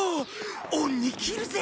恩に着るぜ。